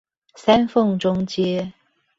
三鳳中街